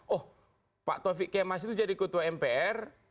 oh pak taufik kemas itu jadi ketua mpr